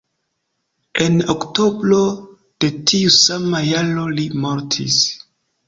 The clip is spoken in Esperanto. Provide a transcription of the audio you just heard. En oktobro de tiu sama jaro li mortis.